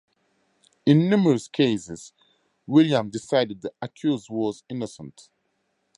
In numerous cases Willam decided the accused was innocent.